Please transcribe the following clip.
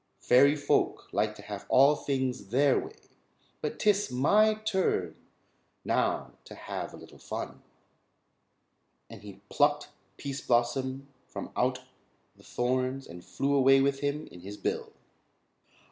"Fairy folk like to have all things their way, but 'tis my turn now to have a little fun." And he plucked Pease Blossom from out the thorns and flew away with him in his bill.